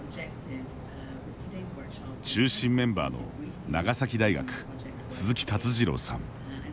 中心メンバーの長崎大学、鈴木達治郎さん。